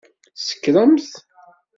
Tsekṛemt!